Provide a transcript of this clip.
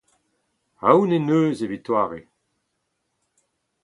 Aon en deus evit doare.